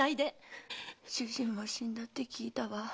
主人も死んだって聞いたわ。